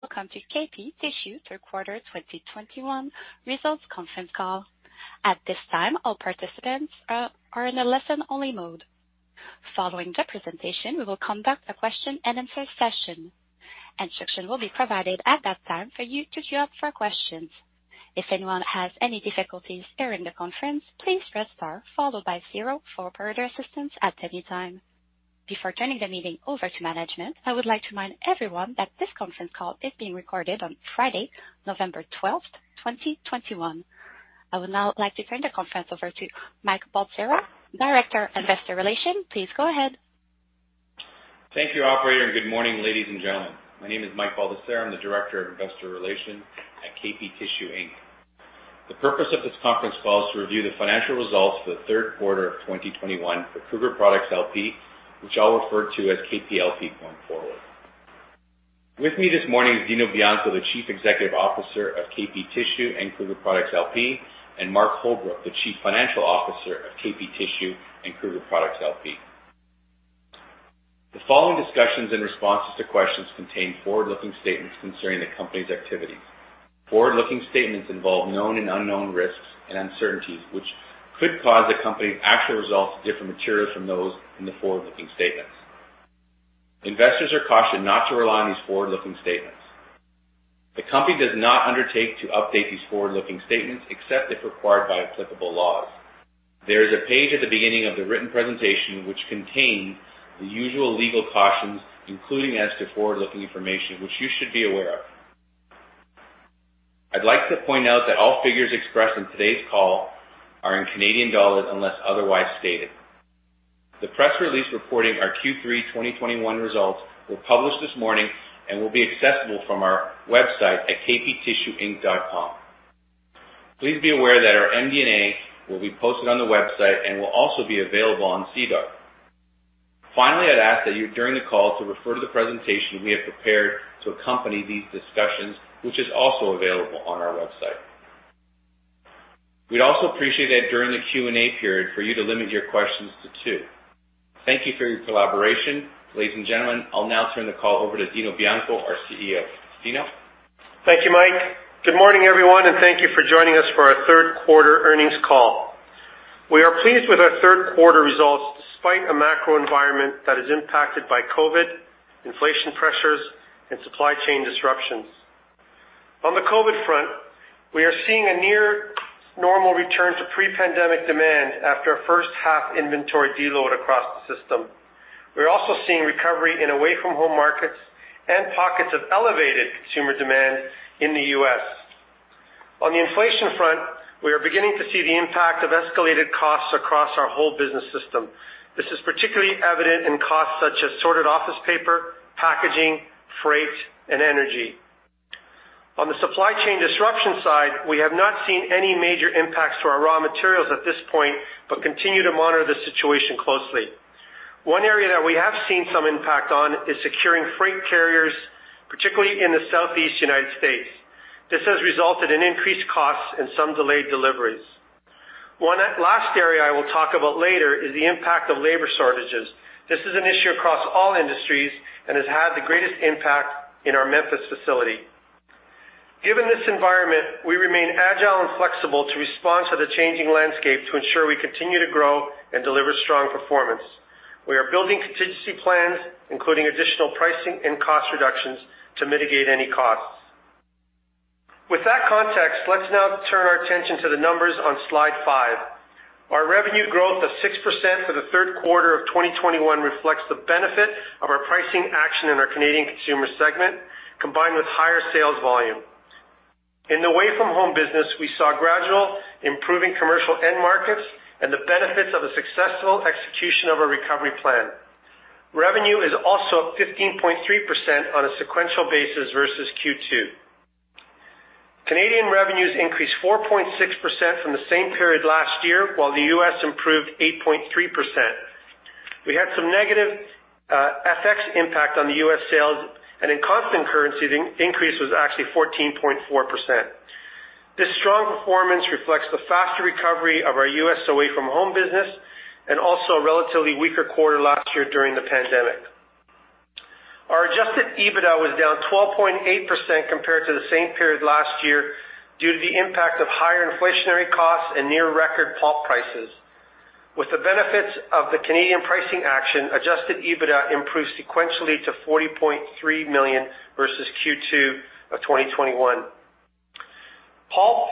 Welcome to KP Tissue third quarter 2021 results conference call. At this time, all participants are in a listen-only mode. Following the presentation, we will conduct a question and answer session. Instruction will be provided at that time for you to queue up for questions. If anyone has any difficulties during the conference, please press star followed by zero for further assistance at any time. Before turning the meeting over to management, I would like to remind everyone that this conference call is being recorded on Friday, November 12, 2021. I would now like to turn the conference over to Mike Baldesarra, Director, Investor Relations. Please go ahead. Thank you, operator, and good morning, ladies and gentlemen. My name is Mike Baldesarra. I'm the Director of Investor Relations at KP Tissue Inc. The purpose of this conference call is to review the financial results for the third quarter of 2021 for Kruger Products LP, which I'll refer to as KPLP going forward. With me this morning is Dino Bianco, the Chief Executive Officer of KP Tissue and Kruger Products LP, and Mark Holbrook, the Chief Financial Officer of KP Tissue and Kruger Products LP. The following discussions and responses to questions contain forward-looking statements concerning the company's activities. Forward-looking statements involve known and unknown risks and uncertainties, which could cause the company's actual results to differ materially from those in the forward-looking statements. Investors are cautioned not to rely on these forward-looking statements. The company does not undertake to update these forward-looking statements, except if required by applicable laws. There is a page at the beginning of the written presentation which contains the usual legal cautions, including as to forward-looking information, which you should be aware of. I'd like to point out that all figures expressed in today's call are in Canadian dollars, unless otherwise stated. The press release reporting our Q3 2021 results were published this morning and will be accessible from our website at kptissueinc.com. Please be aware that our MD&A will be posted on the website and will also be available on SEDAR. Finally, I'd ask that you, during the call, to refer to the presentation we have prepared to accompany these discussions, which is also available on our website. We'd also appreciate that during the Q&A period for you to limit your questions to two. Thank you for your collaboration. Ladies and gentlemen, I'll now turn the call over to Dino Bianco, our CEO. Dino? Thank you, Mike. Good morning, everyone, and thank you for joining us for our third quarter earnings call. We are pleased with our third quarter results, despite a macro environment that is impacted by COVID, inflation pressures, and supply chain disruptions. On the COVID front, we are seeing a near normal return to pre-pandemic demand after a first half inventory deload across the system. We're also seeing recovery in away from home markets and pockets of elevated consumer demand in the U.S. On the inflation front, we are beginning to see the impact of escalated costs across our whole business system. This is particularly evident in costs such as sorted office paper, packaging, freight, and energy. On the supply chain disruption side, we have not seen any major impacts to our raw materials at this point, but continue to monitor the situation closely. One area that we have seen some impact on is securing freight carriers, particularly in the Southeast United States. This has resulted in increased costs and some delayed deliveries. One last area I will talk about later is the impact of labor shortages. This is an issue across all industries and has had the greatest impact in our Memphis facility. Given this environment, we remain agile and flexible to respond to the changing landscape to ensure we continue to grow and deliver strong performance. We are building contingency plans, including additional pricing and cost reductions, to mitigate any costs. With that context, let's now turn our attention to the numbers on slide 5. Our revenue growth of 6% for the third quarter of 2021 reflects the benefit of our pricing action in our Canadian consumer segment, combined with higher sales volume. In the away-from-home business, we saw gradual, improving commercial end markets and the benefits of the successful execution of our recovery plan. Revenue is also up 15.3% on a sequential basis versus Q2. Canadian revenues increased 4.6% from the same period last year, while the U.S. improved 8.3%. We had some negative, FX impact on the U.S. sales, and in constant currency, the increase was actually 14.4%. This strong performance reflects the faster recovery of our U.S. away-from-home business and also a relatively weaker quarter last year during the pandemic. Our Adjusted EBITDA was down 12.8% compared to the same period last year due to the impact of higher inflationary costs and near record pulp prices. With the benefits of the Canadian pricing action, Adjusted EBITDA improved sequentially to 40.3 million versus Q2 of 2021. Pulp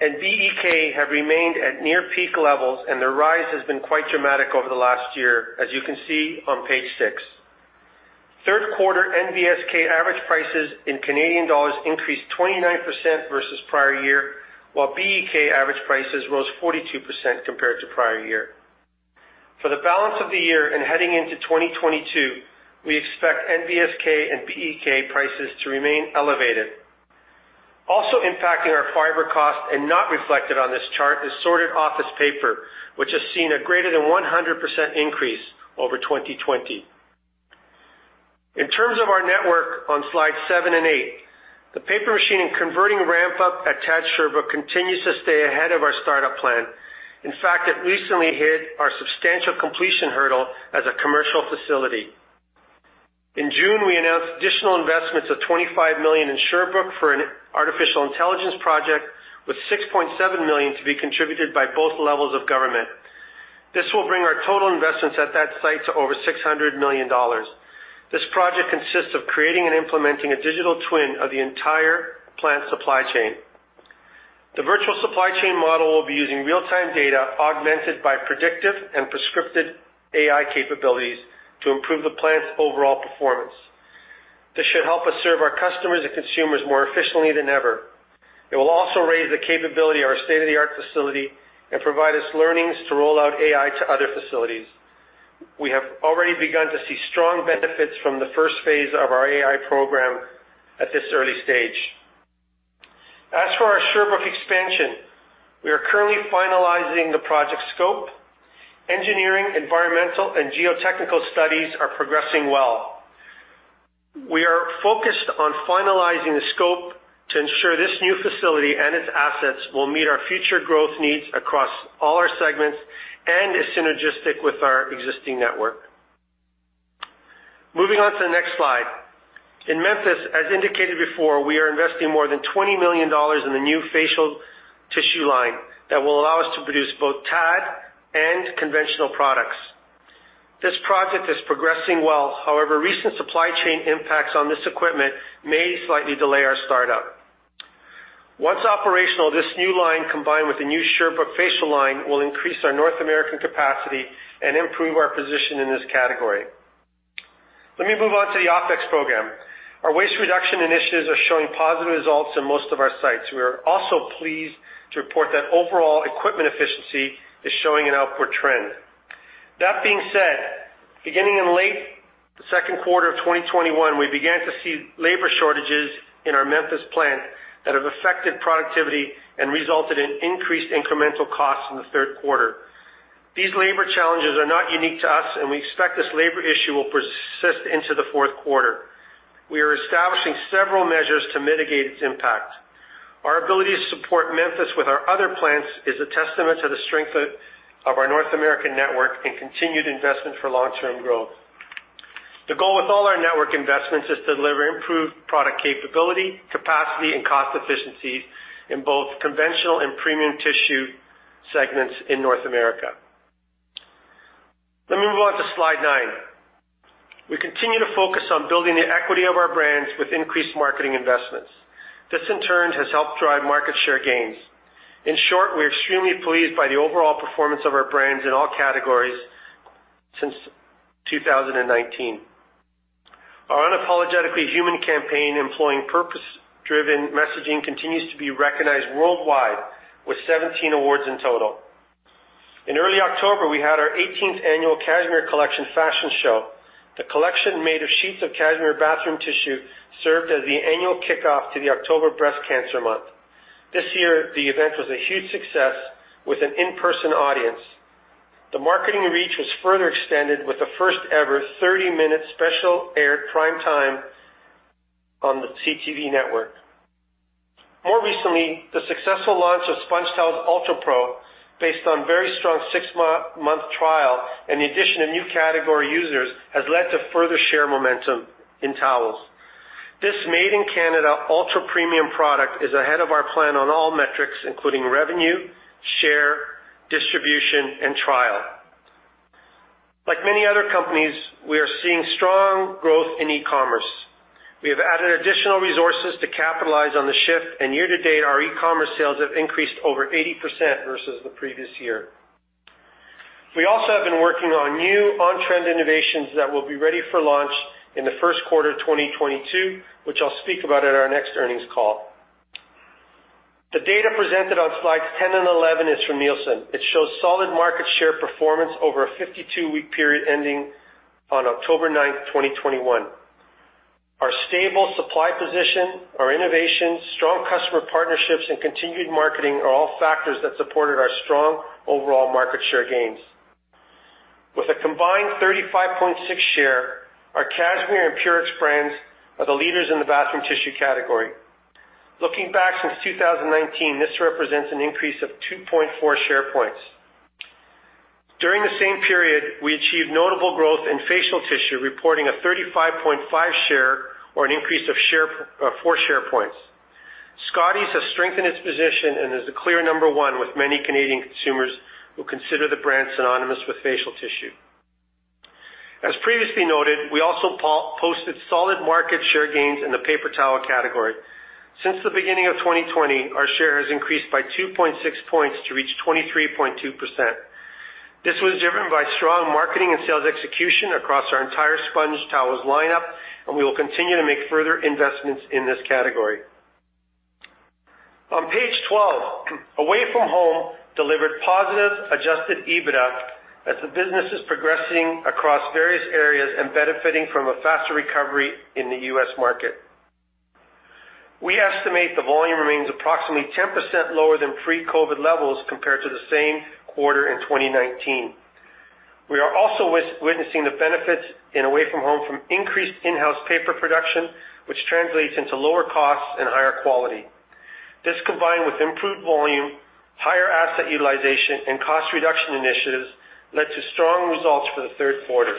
and BEK have remained at near peak levels, and the rise has been quite dramatic over the last year, as you can see on page 6. Third quarter NBSK average prices in Canadian dollars increased 29% versus prior year, while BEK average prices rose 42% compared to prior year. For the balance of the year and heading into 2022, we expect NBSK and BEK prices to remain elevated. Also impacting our fiber cost and not reflected on this chart is Sorted Office Paper, which has seen a greater than 100% increase over 2020. In terms of our network on slide 7 and 8... The paper machine and converting ramp up at TAD Sherbrooke continues to stay ahead of our startup plan. In fact, it recently hit our substantial completion hurdle as a commercial facility. In June, we announced additional investments of 25 million in Sherbrooke for an artificial intelligence project, with 6.7 million to be contributed by both levels of government. This will bring our total investments at that site to over 600 million dollars. This project consists of creating and implementing a digital twin of the entire plant supply chain. The virtual supply chain model will be using real-time data, augmented by predictive and prescriptive AI capabilities, to improve the plant's overall performance. This should help us serve our customers and consumers more efficiently than ever. It will also raise the capability of our state-of-the-art facility and provide us learnings to roll out AI to other facilities. We have already begun to see strong benefits from the first phase of our AI program at this early stage. As for our Sherbrooke expansion, we are currently finalizing the project scope. Engineering, environmental, and geotechnical studies are progressing well. We are focused on finalizing the scope to ensure this new facility and its assets will meet our future growth needs across all our segments and is synergistic with our existing network. Moving on to the next slide. In Memphis, as indicated before, we are investing more than $20 million in the new facial tissue line that will allow us to produce both TAD and conventional products. This project is progressing well. However, recent supply chain impacts on this equipment may slightly delay our startup. Once operational, this new line, combined with the new Sherbrooke facial line, will increase our North American capacity and improve our position in this category. Let me move on to the OpEx program. Our waste reduction initiatives are showing positive results in most of our sites. We are also pleased to report that overall equipment efficiency is showing an upward trend. That being said, beginning in late second quarter of 2021, we began to see labor shortages in our Memphis plant that have affected productivity and resulted in increased incremental costs in the third quarter. These labor challenges are not unique to us, and we expect this labor issue will persist into the fourth quarter. We are establishing several measures to mitigate its impact. Our ability to support Memphis with our other plants is a testament to the strength of our North American network and continued investment for long-term growth. The goal with all our network investments is to deliver improved product capability, capacity, and cost efficiencies in both conventional and premium tissue segments in North America. Let me move on to slide 9. We continue to focus on building the equity of our brands with increased marketing investments. This, in turn, has helped drive market share gains. In short, we are extremely pleased by the overall performance of our brands in all categories since 2019. Our Unapologetically Human campaign, employing purpose-driven messaging, continues to be recognized worldwide, with 17 awards in total. In early October, we had our 18th annual Cashmere Collection Fashion Show. The collection, made of sheets of Cashmere bathroom tissue, served as the annual kickoff to the October Breast Cancer Month. This year, the event was a huge success with an in-person audience. The marketing reach was further extended with the first-ever 30-minute special aired prime time on the CTV network. More recently, the successful launch of SpongeTowels Ultra Pro, based on very strong 6-month trial and the addition of new category users, has led to further share momentum in towels. This Made in Canada ultra-premium product is ahead of our plan on all metrics, including revenue, share, distribution, and trial. Like many other companies, we are seeing strong growth in e-commerce. We have added additional resources to capitalize on the shift, and year-to-date, our e-commerce sales have increased over 80% versus the previous year. We also have been working on new on-trend innovations that will be ready for launch in the first quarter of 2022, which I'll speak about at our next earnings call. The data presented on slides 10 and 11 is from Nielsen. It shows solid market share performance over a 52-week period ending on October 9th, 2021. Our stable supply position, our innovations, strong customer partnerships, and continued marketing are all factors that supported our strong overall market share gains. With a combined 35.6 share, our Cashmere and Purex brands are the leaders in the bathroom tissue category. Looking back since 2019, this represents an increase of 2.4 share points. During the same period, we achieved notable growth in facial tissue, reporting a 35.5 share or an increase of 4 share points. Scotties has strengthened its position and is the clear number one with many Canadian consumers who consider the brand synonymous with facial tissue. As previously noted, we also posted solid market share gains in the paper towel category. Since the beginning of 2020, our share has increased by 2.6 points to reach 23.2%. This was driven by strong marketing and sales execution across our entire SpongeTowels lineup, and we will continue to make further investments in this category. On page 12, Away from Home delivered positive Adjusted EBITDA as the business is progressing across various areas and benefiting from a faster recovery in the US market. We estimate the volume remains approximately 10% lower than pre-COVID levels compared to the same quarter in 2019. We are also witnessing the benefits in away from home from increased in-house paper production, which translates into lower costs and higher quality. This, combined with improved volume, higher asset utilization, and cost reduction initiatives, led to strong results for the third quarter.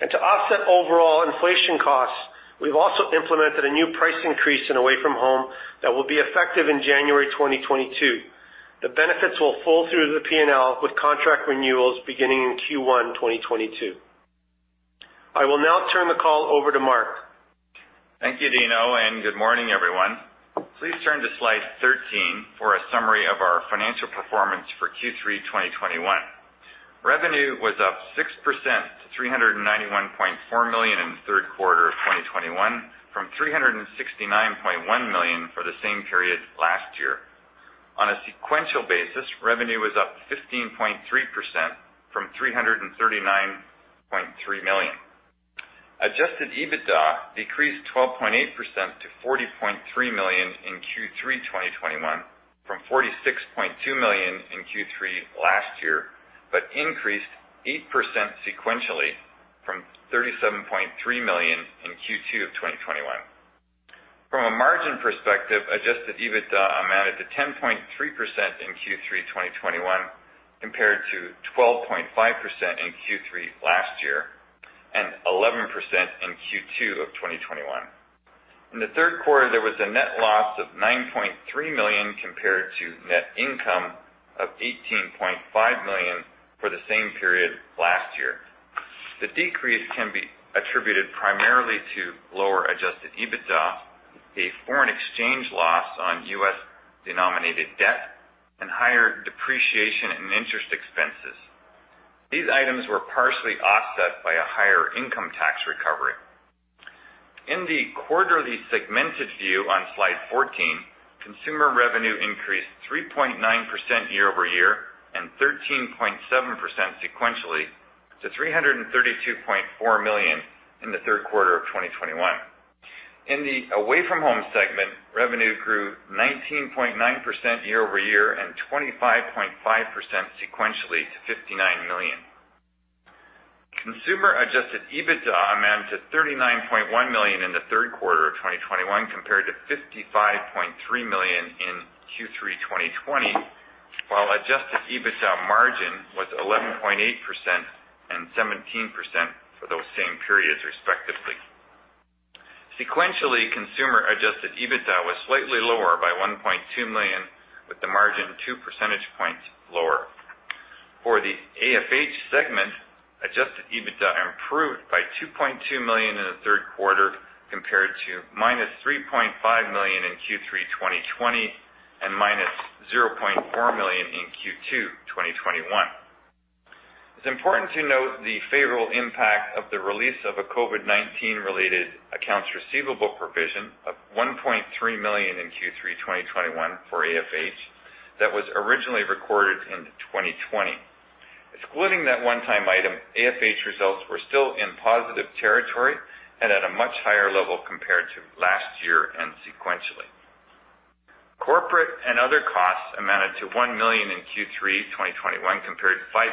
And to offset overall inflation costs, we've also implemented a new price increase in away from home that will be effective in January 2022. The benefits will fall through the P&L, with contract renewals beginning in Q1 2022. I will now turn the call over to Mark. Thank you, Dino, and good morning, everyone. Please turn to slide 13 for a summary of our financial performance for Q3 2021. Revenue was up 6% to 391.4 million in the third quarter of 2021, from 369.1 million for the same period last year. On a sequential basis, revenue was up 15.3% from 339.3 million. Adjusted EBITDA decreased 12.8% to 40.3 million in Q3 2021, from 46.2 million in Q3 last year, but increased 8% sequentially from 37.3 million in Q2 of 2021. From a margin perspective, adjusted EBITDA amounted to 10.3% in Q3 2021, compared to 12.5% in Q3 last year, and 11% in Q2 of 2021. In the third quarter, there was a net loss of 9.3 million compared to net income of 18.5 million for the same period last year. The decrease can be attributed primarily to lower Adjusted EBITDA, a foreign exchange loss on U.S.-denominated debt, and higher depreciation and interest expenses. These items were partially offset by a higher income tax recovery. In the quarterly segmented view on slide 14, consumer revenue increased 3.9% year-over-year and 13.7% sequentially to 332.4 million in the third quarter of 2021. In the away-from-home segment, revenue grew 19.9% year-over-year and 25.5% sequentially to 59 million. Consumer adjusted EBITDA amounted to 39.1 million in the third quarter of 2021, compared to 55.3 million in Q3 2020, while adjusted EBITDA margin was 11.8% and 17% for those same periods, respectively. Sequentially, consumer-adjusted EBITDA was slightly lower by 1.2 million, with the margin 2 percentage points lower. For the AFH segment, adjusted EBITDA improved by 2.2 million in the third quarter, compared to -3.5 million in Q3 2020 and -0.4 million in Q2 2021. It's important to note the favorable impact of the release of a COVID-19-related accounts receivable provision of 1.3 million in Q3 2021 for AFH that was originally recorded in 2020. Excluding that one-time item, AFH results were still in positive territory and at a much higher level compared to last year and sequentially. Corporate and other costs amounted to 1 million in Q3 2021, compared to 5.6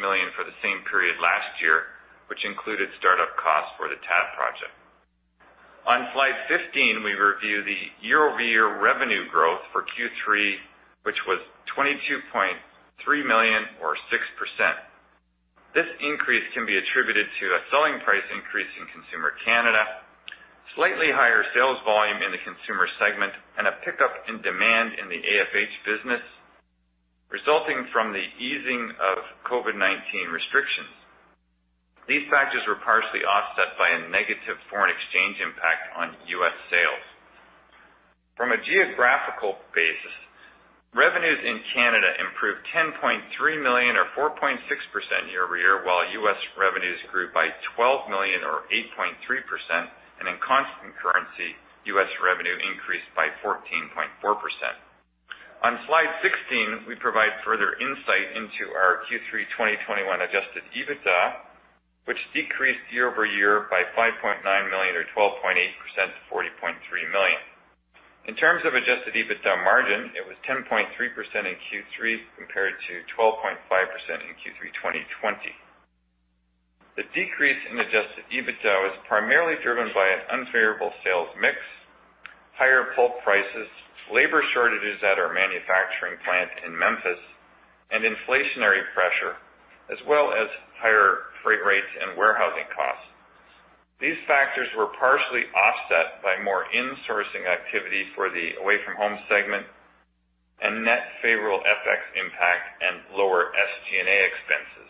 million for the same period last year, which included startup costs for the TAD project. On slide 15, we review the year-over-year revenue growth for Q3, which was 22.3 million or 6%. This increase can be attributed to a selling price increase in Consumer Canada, slightly higher sales volume in the consumer segment, and a pickup in demand in the AFH business, resulting from the easing of COVID-19 restrictions. These factors were partially offset by a negative foreign exchange impact on U.S. sales. From a geographical basis, revenues in Canada improved 10.3 million or 4.6% year-over-year, while U.S. revenues grew by 12 million or 8.3%, and in constant currency, U.S. revenue increased by 14.4%. On slide 16, we provide further insight into our Q3 2021 Adjusted EBITDA, which decreased year-over-year by 5.9 million, or 12.8% to 40.3 million. In terms of Adjusted EBITDA margin, it was 10.3% in Q3 compared to 12.5% in Q3 2020. The decrease in Adjusted EBITDA was primarily driven by an unfavorable sales mix, higher pulp prices, labor shortages at our manufacturing plant in Memphis, and inflationary pressure, as well as higher freight rates and warehousing costs. These factors were partially offset by more insourcing activity for the away-from-home segment and net favorable FX impact and lower SG&A expenses.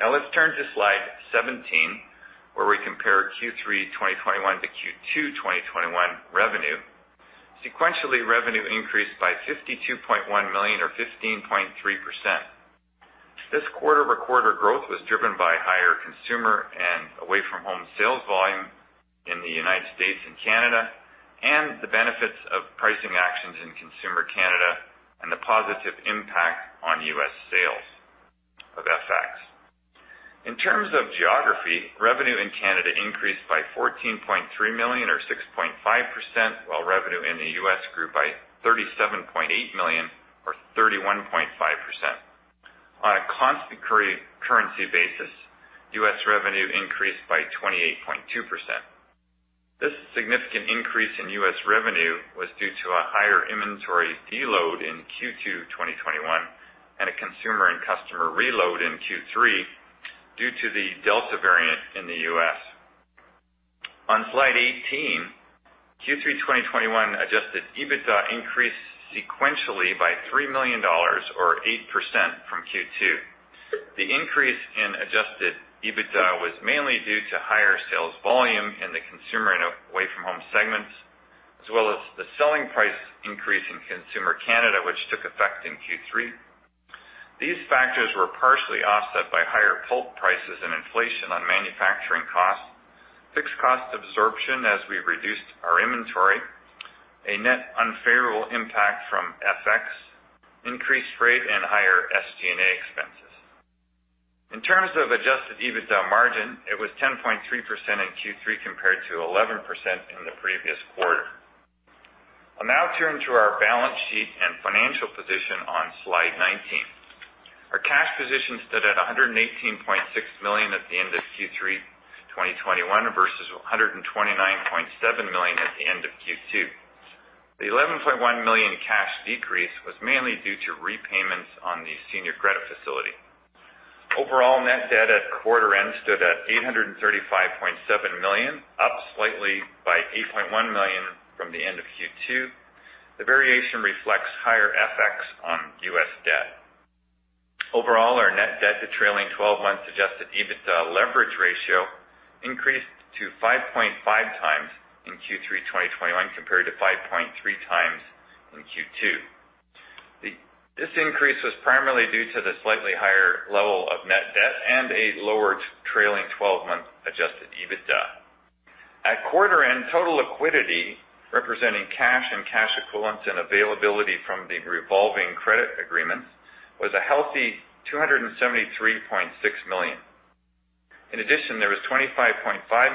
Now, let's turn to slide 17, where we compare Q3 2021 to Q2 2021 revenue. Sequentially, revenue increased by 52.1 million or 15.3%. This quarter-over-quarter growth was driven by higher consumer and away-from-home sales volume in the United States and Canada, and the benefits of pricing actions in Consumer Canada, and the positive impact on US sales of FX. In terms of geography, revenue in Canada increased by 14.3 million or 6.5%, while revenue in the US grew by 37.8 million or 31.5%. On a constant currency basis, US revenue increased by 28.2%. This significant increase in US revenue was due to a higher inventory deload in Q2 2021, and a consumer and customer reload in Q3 due to the Delta variant in the US. On slide 18, Q3 2021 Adjusted EBITDA increased sequentially by 3 million dollars or 8% from Q2. The increase in Adjusted EBITDA was mainly due to higher sales volume in the consumer and away-from-home segments, as well as the selling price increase in consumer Canada, which took effect in Q3. These factors were partially offset by higher pulp prices and inflation on manufacturing costs, fixed cost absorption as we reduced our inventory, a net unfavorable impact from FX, increased rate and higher SG&A expenses. In terms of Adjusted EBITDA margin, it was 10.3% in Q3 compared to 11% in the previous quarter. I'll now turn to our balance sheet and financial position on slide 19. Our cash position stood at 118.6 million at the end of Q3, 2021, versus 129.7 million at the end of Q2. The 11.1 million cash decrease was mainly due to repayments on the senior credit facility. Overall, net debt at quarter end stood at 835.7 million, up slightly by 8.1 million from the end of Q2. The variation reflects higher FX on U.S. debt. Overall, our net debt to trailing twelve-month Adjusted EBITDA leverage ratio increased to 5.5 times in Q3 2021, compared to 5.3 times in Q2. This increase was primarily due to the slightly higher level of net debt and a lower trailing twelve-month Adjusted EBITDA. At quarter end, total liquidity, representing cash and cash equivalents and availability from the revolving credit agreements, was a healthy 273.6 million. In addition, there was 25.5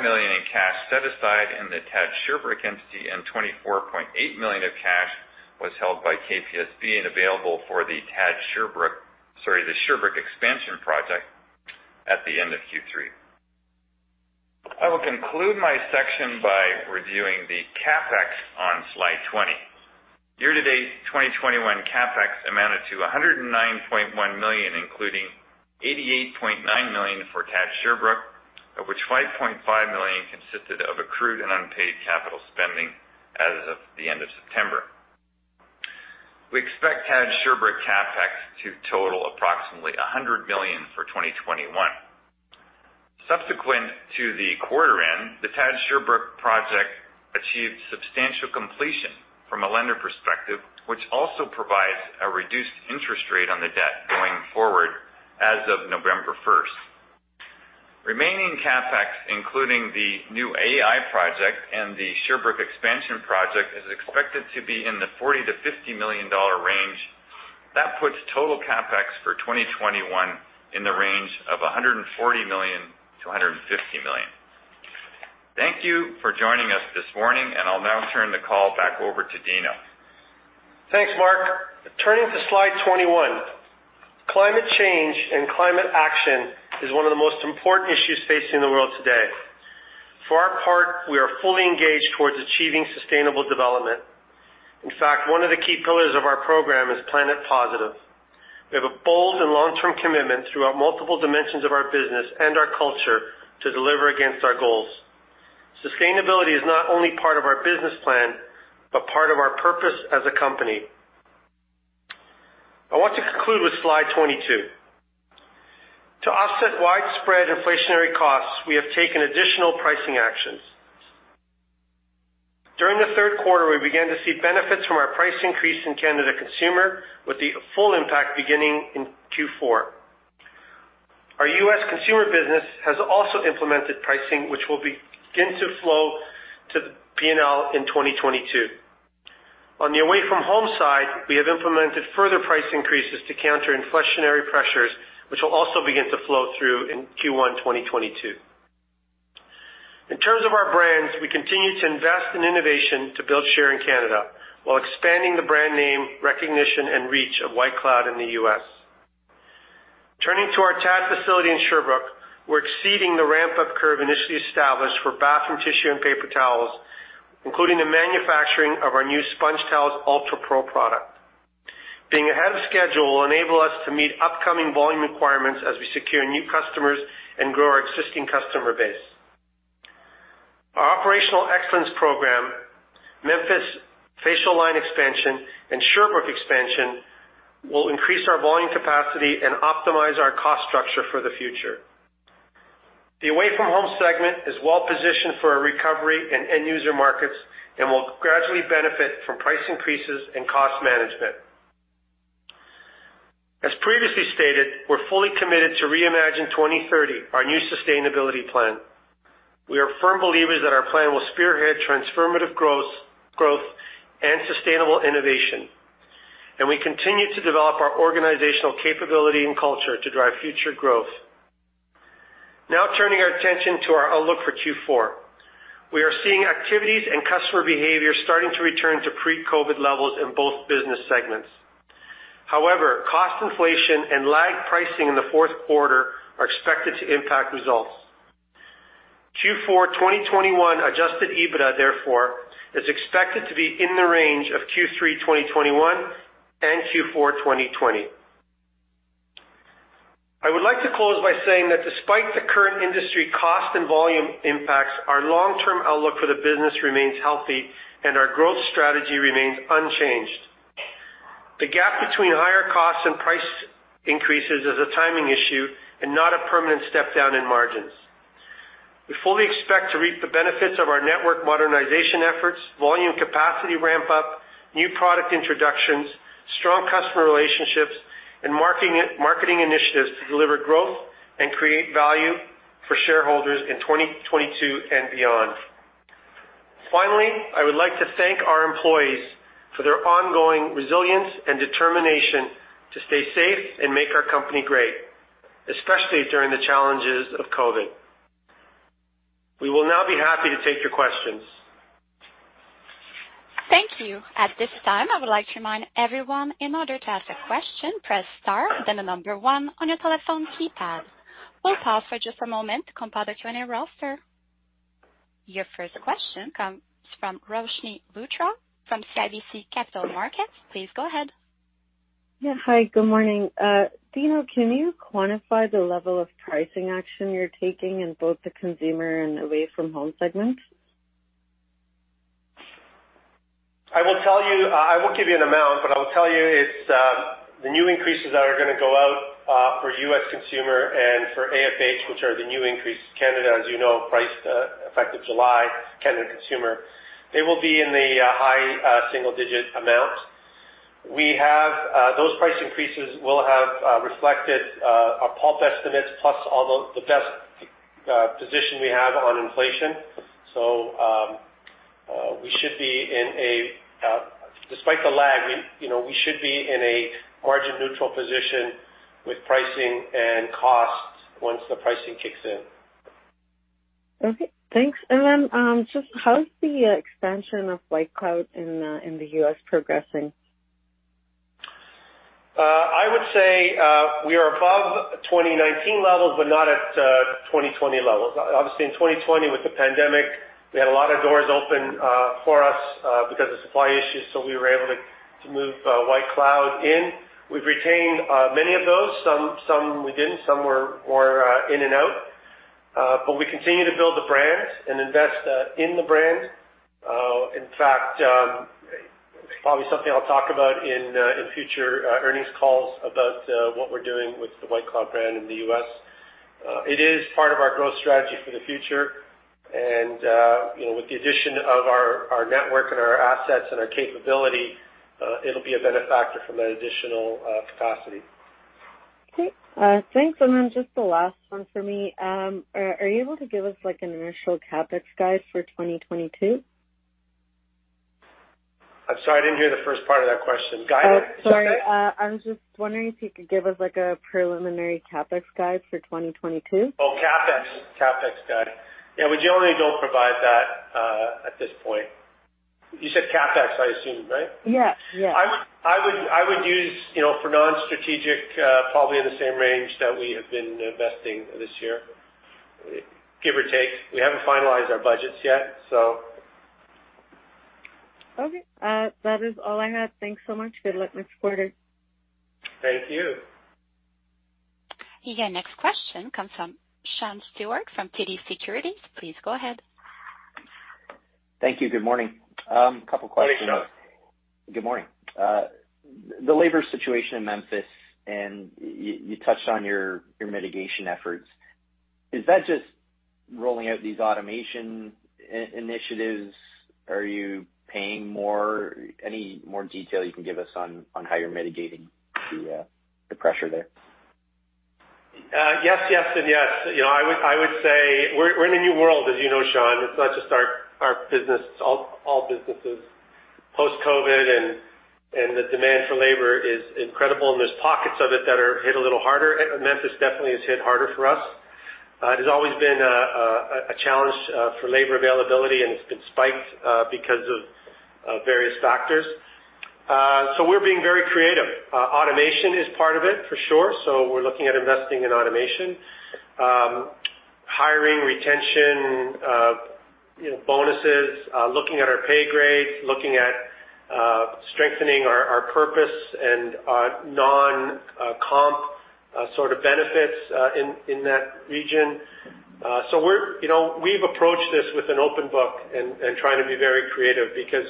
million in cash set aside in the TAD Sherbrooke entity, and 24.8 million of cash was held by KPSB and available for the TAD Sherbrooke, sorry, the Sherbrooke expansion project at the end of Q3. I will conclude my section by reviewing the CapEx on slide 20. Year to date, 2021 CapEx amounted to CAD 109.1 million, including CAD 88.9 million for TAD Sherbrooke, of which CAD 5.5 million consisted of accrued and unpaid capital spending as of the end of September. We expect TAD Sherbrooke CapEx to total approximately 100 million for 2021. Subsequent to the quarter end, the TAD Sherbrooke project achieved substantial completion from a lender perspective, which also provides a reduced interest rate on the debt going forward as of November first. Remaining CapEx, including the new AI project and the Sherbrooke expansion project, is expected to be in the 40 million-50 million dollar range. That puts total CapEx for 2021 in the range of 140 million-150 million. Thank you for joining us this morning, and I'll now turn the call back over to Dino. Thanks, Mark. Turning to slide 21. Climate change and climate action is one of the most important issues facing the world today. For our part, we are fully engaged towards achieving sustainable development. In fact, one of the key pillars of our program is Planet Positive. We have a bold and long-term commitment throughout multiple dimensions of our business and our culture to deliver against our goals. Sustainability is not only part of our business plan, but part of our purpose as a company. I want to conclude with slide 22. To offset widespread inflationary costs, we have taken additional pricing actions. During the third quarter, we began to see benefits from our price increase in Canada consumer, with the full impact beginning in Q4. Our US consumer business has also implemented pricing, which will begin to flow to the P&L in 2022. On the away from home side, we have implemented further price increases to counter inflationary pressures, which will also begin to flow through in Q1, 2022. In terms of our brands, we continue to invest in innovation to build share in Canada, while expanding the brand name, recognition, and reach of White Cloud in the U.S. Turning to our TAD facility in Sherbrooke, we're exceeding the ramp-up curve initially established for bathroom tissue and paper towels, including the manufacturing of our new SpongeTowels Ultra Pro product. Being ahead of schedule will enable us to meet upcoming volume requirements as we secure new customers and grow our existing customer base. Our Operational Excellence program, Memphis facial line expansion, and Sherbrooke expansion will increase our volume capacity and optimize our cost structure for the future. The away-from-home segment is well positioned for a recovery in end user markets and will gradually benefit from price increases and cost management. As previously stated, we're fully committed to Reimagine 2030, our new sustainability plan. We are firm believers that our plan will spearhead transformative gross growth and sustainable innovation... and we continue to develop our organizational capability and culture to drive future growth. Now turning our attention to our outlook for Q4. We are seeing activities and customer behavior starting to return to pre-COVID levels in both business segments. However, cost inflation and lagged pricing in the fourth quarter are expected to impact results. Q4 2021 Adjusted EBITDA, therefore, is expected to be in the range of Q3 2021 and Q4 2020. I would like to close by saying that despite the current industry cost and volume impacts, our long-term outlook for the business remains healthy and our growth strategy remains unchanged. The gap between higher costs and price increases is a timing issue and not a permanent step down in margins. We fully expect to reap the benefits of our network modernization efforts, volume capacity ramp up, new product introductions, strong customer relationships, and marketing, marketing initiatives to deliver growth and create value for shareholders in 2022 and beyond. Finally, I would like to thank our employees for their ongoing resilience and determination to stay safe and make our company great, especially during the challenges of COVID. We will now be happy to take your questions. Thank you. At this time, I would like to remind everyone, in order to ask a question, press star, then the number one on your telephone keypad. We'll pause for just a moment to compile the trainee roster. Your first question comes from Roshni Luthra from CIBC Capital Markets. Please go ahead. Yeah. Hi, good morning. Dino, can you quantify the level of pricing action you're taking in both the consumer and away from home segments? I will tell you, I won't give you an amount, but I will tell you it's the new increases that are gonna go out for U.S. consumer and for AFH, which are the new increases. Canada, as you know, priced effective July, Canada consumer. They will be in the high single digit amounts. Those price increases will have reflected our pulp estimates, plus all the best position we have on inflation. So, despite the lag, you know, we should be in a margin-neutral position with pricing and costs once the pricing kicks in. Okay, thanks. Just how is the expansion of White Cloud in the U.S. progressing? I would say we are above 2019 levels, but not at 2020 levels. Obviously, in 2020, with the pandemic, we had a lot of doors open for us because of supply issues, so we were able to move White Cloud in. We've retained many of those. Some we didn't, some were more in and out. But we continue to build the brand and invest in the brand. In fact, probably something I'll talk about in future earnings calls about what we're doing with the White Cloud brand in the U.S. It is part of our growth strategy for the future, and you know, with the addition of our network and our assets and our capability, it'll be a benefactor from that additional capacity. Okay, thanks. Then just the last one for me. Are you able to give us, like, an initial CapEx guide for 2022? I'm sorry, I didn't hear the first part of that question. Guidance? Oh, sorry. I was just wondering if you could give us, like, a preliminary CapEx guide for 2022. Oh, CapEx. CapEx guide. Yeah, we generally don't provide that at this point. You said CapEx, I assume, right? Yes, yes. I would, I would use, you know, for non-strategic, probably in the same range that we have been investing this year, give or take. We haven't finalized our budgets yet, so. Okay, that is all I had. Thanks so much. Good luck next quarter. Thank you. Your next question comes from Sean Steuart from TD Securities. Please go ahead. Thank you. Good morning. A couple questions. Hi, Sean. Good morning. The labor situation in Memphis, and you touched on your mitigation efforts. Is that just rolling out these automation initiatives? Are you paying more? Any more detail you can give us on how you're mitigating the pressure there? Yes, yes, and yes. You know, I would say we're in a new world, as you know, Sean. It's not just our business, it's all businesses. Post-COVID and the demand for labor is incredible, and there's pockets of it that are hit a little harder. Memphis definitely is hit harder for us. It has always been a challenge for labor availability, and it's been spiked because of various factors. So we're being very creative. Automation is part of it, for sure, so we're looking at investing in automation. Hiring, retention, you know, bonuses, looking at our pay grades, looking at strengthening our purpose and our non-comp sort of benefits, in that region. So we're, you know, we've approached this with an open book and trying to be very creative because,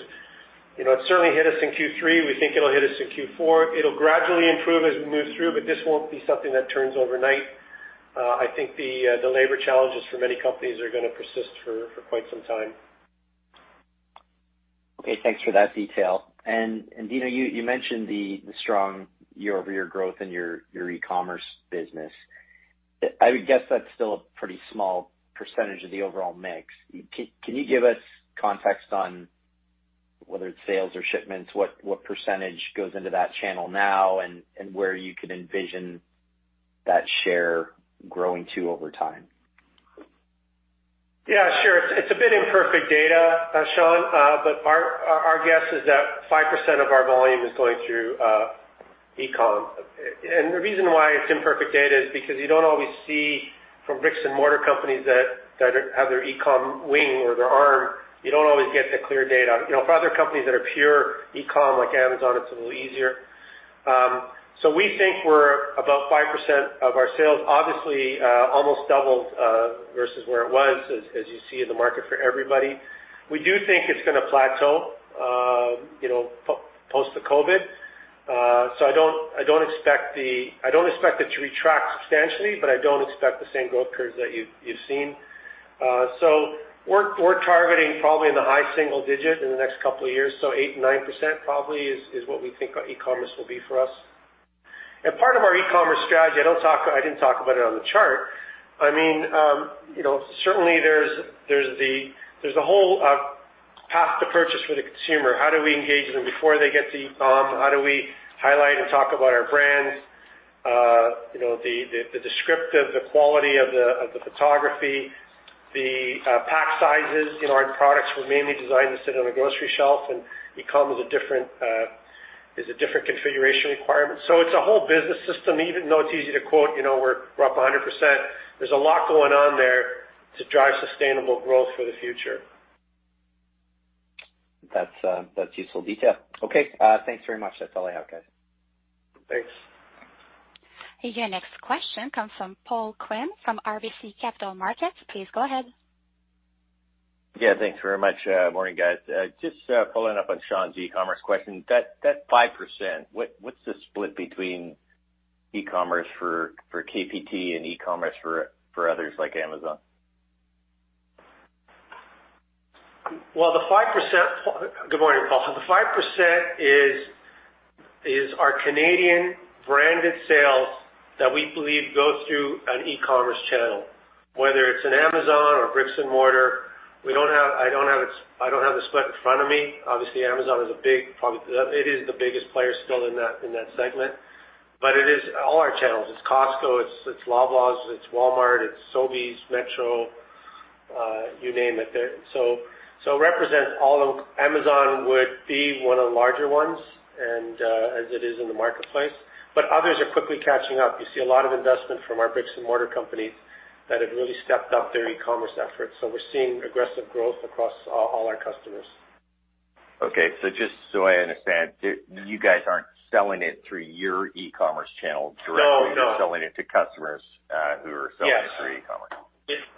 you know, it certainly hit us in Q3. We think it'll hit us in Q4. It'll gradually improve as we move through, but this won't be something that turns overnight. I think the labor challenges for many companies are gonna persist for quite some time. Okay, thanks for that detail. And Dino, you mentioned the strong year-over-year growth in your e-commerce business.... I would guess that's still a pretty small percentage of the overall mix. Can you give us context on whether it's sales or shipments, what percentage goes into that channel now and where you could envision that share growing to over time? Yeah, sure. It's a bit imperfect data, Sean, but our guess is that 5% of our volume is going through e-com. And the reason why it's imperfect data is because you don't always see from bricks and mortar companies that have their e-com wing or their arm, you don't always get the clear data. You know, for other companies that are pure e-com, like Amazon, it's a little easier. So we think we're about 5% of our sales, obviously, almost doubled versus where it was, as you see in the market for everybody. We do think it's gonna plateau, you know, post the COVID. So I don't expect it to retract substantially, but I don't expect the same growth curves that you've seen. So we're targeting probably in the high single digit in the next couple of years. So 8%-9% probably is what we think our e-commerce will be for us. And part of our e-commerce strategy, I didn't talk about it on the chart. I mean, you know, certainly there's the whole path to purchase for the consumer. How do we engage them before they get to e-com? How do we highlight and talk about our brands? You know, the descriptive, the quality of the photography, the pack sizes. You know, our products were mainly designed to sit on a grocery shelf, and e-com is a different configuration requirement. So it's a whole business system. Even though it's easy to quote, you know, we're up 100%, there's a lot going on there to drive sustainable growth for the future. That's, that's useful detail. Okay, thanks very much. That's all I have, guys. Thanks. Your next question comes from Paul Quinn, from RBC Capital Markets. Please go ahead. Yeah, thanks very much. Morning, guys. Just following up on Sean's e-commerce question, that 5%, what's the split between e-commerce for KPT and e-commerce for others like Amazon? Well, the 5%... Good morning, Paul. So the 5% is our Canadian branded sales that we believe goes through an e-commerce channel, whether it's an Amazon or bricks and mortar. We don't have—I don't have it, I don't have the split in front of me. Obviously, Amazon is a big, probably, it is the biggest player still in that, in that segment, but it is all our channels. It's Costco, it's Loblaws, it's Walmart, it's Sobeys, Metro, you name it. So it represents all of—Amazon would be one of the larger ones, and, as it is in the marketplace, but others are quickly catching up. You see a lot of investment from our bricks and mortar companies that have really stepped up their e-commerce efforts. So we're seeing aggressive growth across all our customers. Okay. So just so I understand, you guys aren't selling it through your e-commerce channel directly? No, no. -you're selling it to customers, who are selling- Yes. through e-commerce?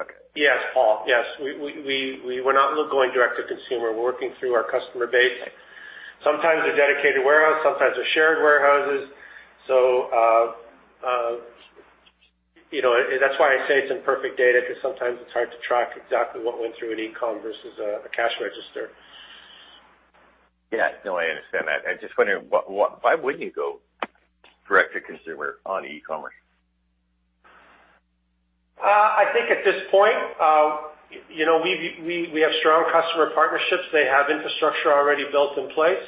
Okay. Yes, Paul. Yes. We were not going direct to consumer. We're working through our customer base. Sometimes they're dedicated warehouse, sometimes they're shared warehouses. So, you know, that's why I say it's imperfect data, because sometimes it's hard to track exactly what went through an e-com versus a cash register. Yeah. No, I understand that. I just wondering, why wouldn't you go direct to consumer on e-commerce? I think at this point, you know, we have strong customer partnerships. They have infrastructure already built in place.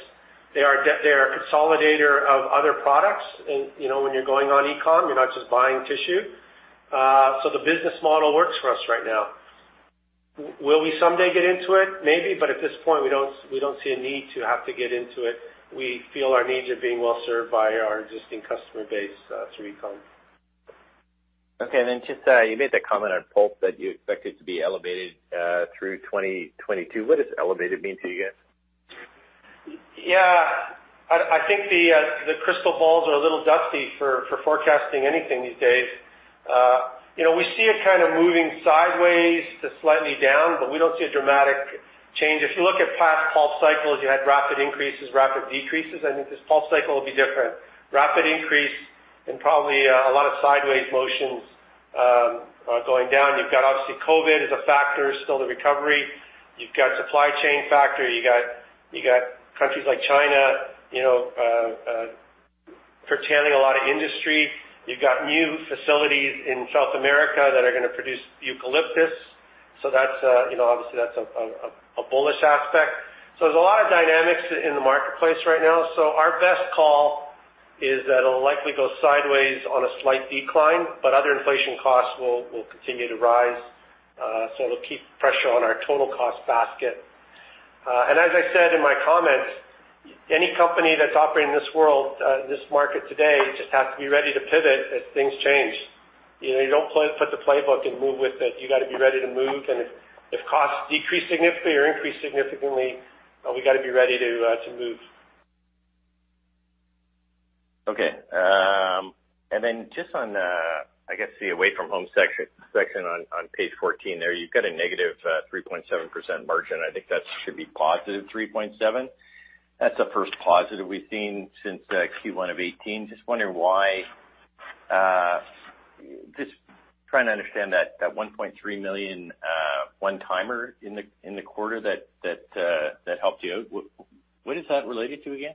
They are a consolidator of other products, and, you know, when you're going on e-com, you're not just buying tissue. So the business model works for us right now. Will we someday get into it? Maybe, but at this point, we don't see a need to have to get into it. We feel our needs are being well served by our existing customer base, through e-com. Okay. And then just, you made the comment on pulp that you expect it to be elevated through 2022. What does elevated mean to you guys? Yeah. I think the crystal balls are a little dusty for forecasting anything these days. You know, we see it kind of moving sideways to slightly down, but we don't see a dramatic change. If you look at past pulp cycles, you had rapid increases, rapid decreases. I think this pulp cycle will be different. Rapid increase and probably a lot of sideways motions going down. You've got, obviously, COVID is a factor, still the recovery. You've got supply chain factor. You got countries like China, you know, curtailing a lot of industry. You've got new facilities in South America that are gonna produce eucalyptus. So that's, you know, obviously, that's a bullish aspect. So there's a lot of dynamics in the marketplace right now. So our best call is that it'll likely go sideways on a slight decline, but other inflation costs will continue to rise, so it'll keep pressure on our total cost basket. And as I said in my comments, any company that's operating in this world, this market today, just has to be ready to pivot as things change. You know, you don't put the playbook and move with it. You got to be ready to move, and if costs decrease significantly or increase significantly, we got to be ready to move. Okay. And then just on, I guess the away from home section, section on page 14 there, you've got a negative 3.7% margin. I think that should be positive 3.7. That's the first positive we've seen since Q1 of 2018. Just wondering why, just trying to understand that one point three million one-timer in the quarter that helped you out. What is that related to again?...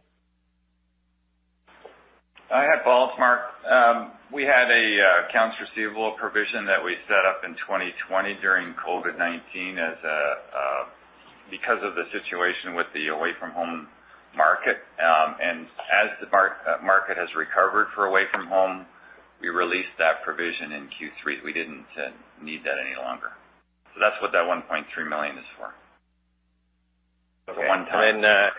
I have Paul, it's Mark. We had a accounts receivable provision that we set up in 2020 during COVID-19 because of the situation with the away from home market. And as the market has recovered for away from home, we released that provision in Q3. We didn't need that any longer. So that's what that 1.3 million is for. Okay. One time. And then,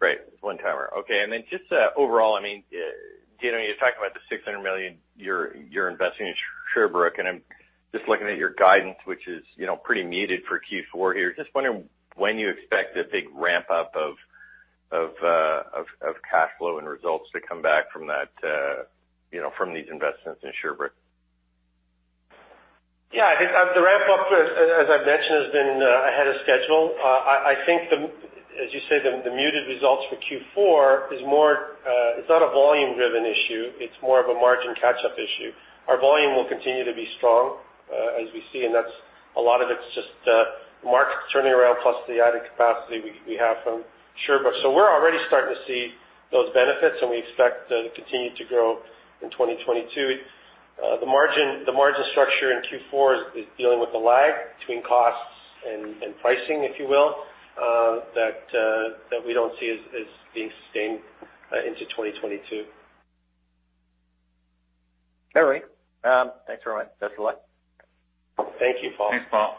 right, one timer. Okay, and then just overall, I mean, you know, you're talking about the 600 million you're investing in Sherbrooke, and I'm just looking at your guidance, which is, you know, pretty muted for Q4 here. Just wondering when you expect a big ramp up of cash flow and results to come back from that, you know, from these investments in Sherbrooke? Yeah, I think the ramp up, as, as I've mentioned, has been ahead of schedule. I, I think the, as you say, the, the muted results for Q4 is more, it's not a volume driven issue, it's more of a margin catch up issue. Our volume will continue to be strong, as we see, and that's a lot of it's just, markets turning around plus the added capacity we, we have from Sherbrooke. So we're already starting to see those benefits, and we expect to continue to grow in 2022. The margin, the margin structure in Q4 is, is dealing with the lag between costs and, and pricing, if you will, that, that we don't see as, as being sustained into 2022. All right. Thanks very much. That's all. Thank you, Paul. Thanks, Paul.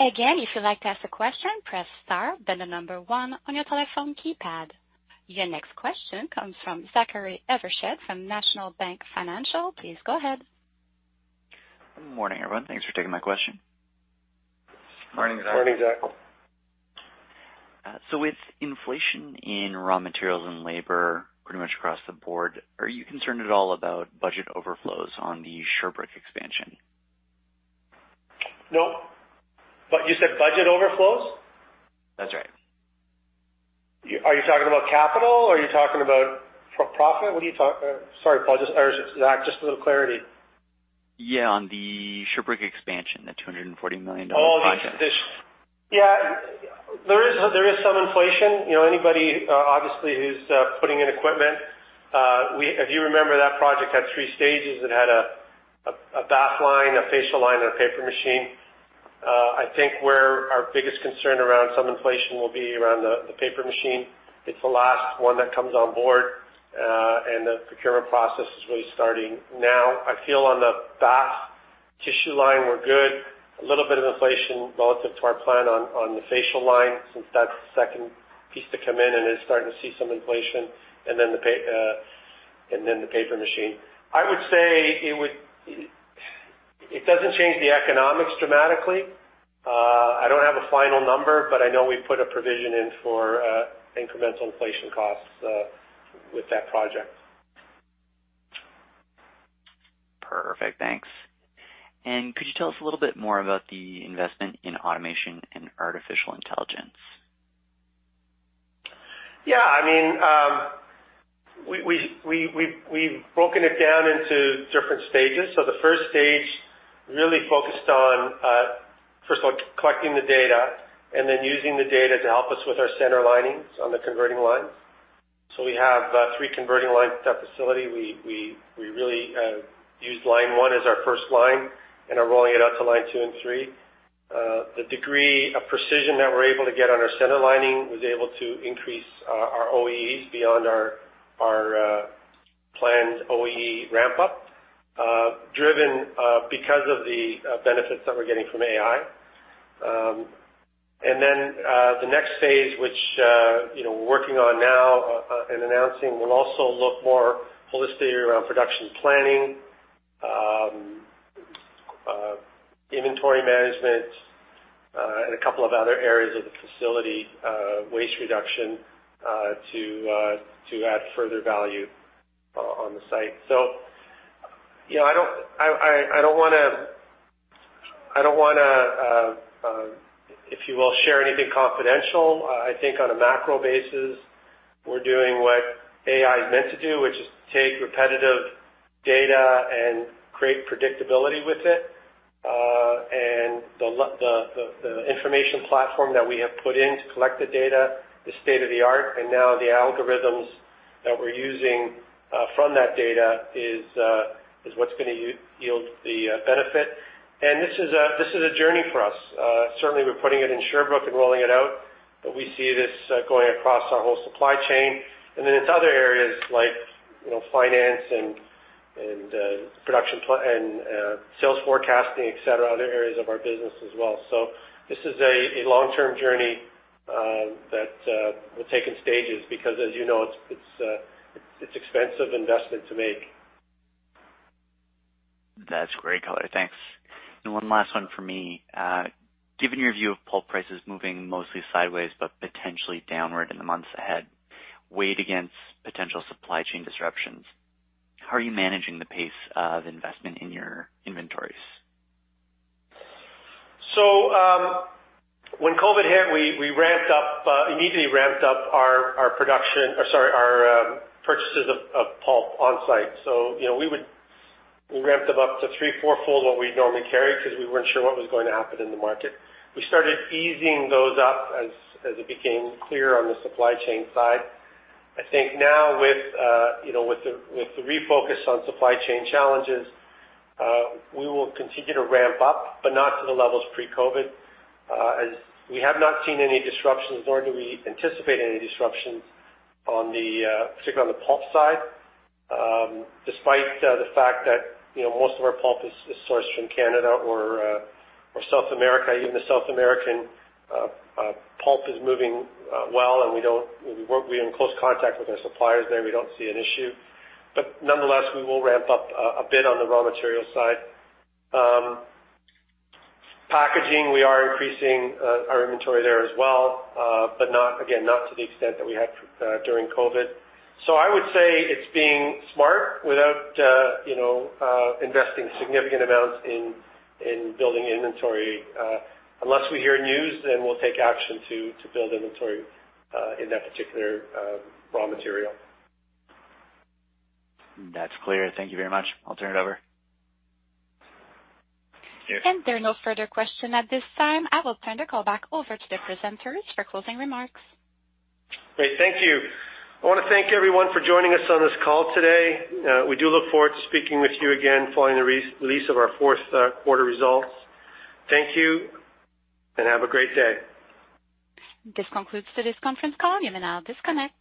Again, if you'd like to ask a question, press star, then the number 1 on your telephone keypad. Your next question comes from Zachary Evershed, from National Bank Financial. Please go ahead. Good morning, everyone. Thanks for taking my question. Morning, Zach. Morning, Zach. With inflation in raw materials and labor pretty much across the board, are you concerned at all about budget overflows on the Sherbrooke expansion? Nope. But you said budget overflows? That's right. Are you talking about capital or are you talking about profit? Sorry, Paul or Zach, just a little clarity. Yeah, on the Sherbrooke expansion, the 240 million dollar project. Oh, the expansion. Yeah, there is, there is some inflation. You know, anybody, obviously, who's putting in equipment. If you remember, that project had three stages. It had a bath line, a facial line, and a paper machine. I think where our biggest concern around some inflation will be around the paper machine. It's the last one that comes on board, and the procurement process is really starting now. I feel on the bath tissue line, we're good. A little bit of inflation relative to our plan on the facial line, since that's the second piece to come in and is starting to see some inflation, and then the paper machine. I would say it would. It doesn't change the economics dramatically. I don't have a final number, but I know we put a provision in for incremental inflation costs with that project. Perfect, thanks. And could you tell us a little bit more about the investment in automation and artificial intelligence? Yeah, I mean, we've broken it down into different stages. So the first stage really focused on, first of all, collecting the data and then using the data to help us with our centerlining on the converting lines. So we have three converting lines at that facility. We really used line one as our first line and are rolling it out to line two and three. The degree of precision that we're able to get on our center lining was able to increase our OEE beyond our planned OEE ramp up, driven because of the benefits that we're getting from AI. And then, the next phase, which, you know, we're working on now, and announcing, will also look more holistically around production planning, inventory management, and a couple of other areas of the facility, waste reduction, to add further value on the site. So, you know, I don't wanna, if you will, share anything confidential. I think on a macro basis, we're doing what AI is meant to do, which is take repetitive data and create predictability with it. And the information platform that we have put in to collect the data, is state-of-the-art, and now the algorithms that we're using, from that data is, what's gonna yield the benefit. And this is a journey for us. Certainly we're putting it in Sherbrooke and rolling it out, but we see this going across our whole supply chain. And then it's other areas like, you know, finance and production and sales forecasting, et cetera, other areas of our business as well. So this is a long-term journey that we'll take in stages, because, as you know, it's expensive investment to make. That's great, color. Thanks. And one last one for me. Given your view of pulp prices moving mostly sideways but potentially downward in the months ahead, weighed against potential supply chain disruptions, how are you managing the pace of investment in your inventories? So, when COVID hit, we immediately ramped up our purchases of pulp on-site. So, you know, we ramped them up to 3- to 4-fold what we'd normally carry because we weren't sure what was going to happen in the market. We started easing those up as it became clear on the supply chain side. I think now with, you know, with the refocus on supply chain challenges, we will continue to ramp up, but not to the levels pre-COVID. As we have not seen any disruptions, nor do we anticipate any disruptions, particularly on the pulp side, despite the fact that, you know, most of our pulp is sourced from Canada or South America. Even the South American pulp is moving well, and we don't, we're in close contact with our suppliers there, we don't see an issue. But nonetheless, we will ramp up a bit on the raw material side. Packaging, we are increasing our inventory there as well, but not, again, not to the extent that we had during COVID. So I would say it's being smart without, you know, investing significant amounts in building inventory. Unless we hear news, then we'll take action to build inventory in that particular raw material. That's clear. Thank you very much. I'll turn it over. There are no further questions at this time. I will turn the call back over to the presenters for closing remarks. Great. Thank you. I want to thank everyone for joining us on this call today. We do look forward to speaking with you again following the release of our fourth quarter results. Thank you, and have a great day. This concludes today's conference call, you may now disconnect.